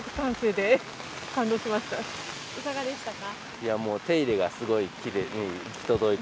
いかがでしたか？